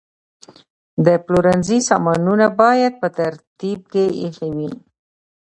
د پلورنځي سامانونه باید په ترتیب کې ایښي وي.